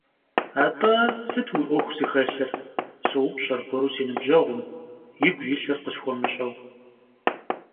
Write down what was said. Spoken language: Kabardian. At'e, sıt vui 'uexu zıxelhır - soupş' argueru si nıbjeğum, yigu yilhır khısxuemış'eu.